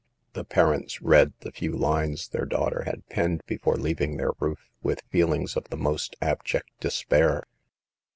The parents read the few lines their daughter had.penned before leaving their roof, with feelings of the most abject despair.